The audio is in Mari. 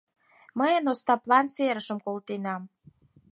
Мый Остаплан серышым колтенам.